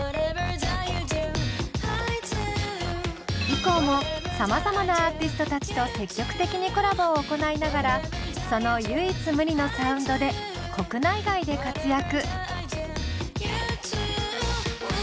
以降もさまざまなアーティストたちと積極的にコラボを行いながらその唯一無二のサウンドで国内外で活躍。